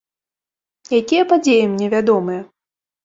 Якія падзеі мне вядомыя?